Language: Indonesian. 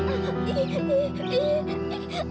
anak ibu mau ikutan ya